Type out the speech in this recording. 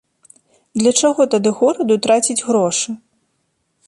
Для чаго тады гораду траціць грошы?